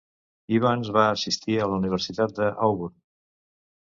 Evans va assistir a la Universitat de Auburn.